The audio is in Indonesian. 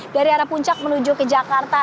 dari arah puncak menuju ke jakarta